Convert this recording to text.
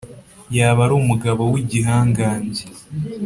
yaba ari umugabo w’igihangange